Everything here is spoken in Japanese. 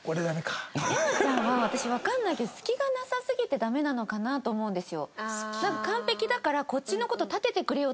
山ちゃんは私わかんないけど隙がなさすぎてダメなのかなと思うんですよ。